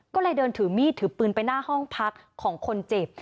ก็เลยเดินถือมีดถือปืนไปหน้าห้องพักของคนเจ็บ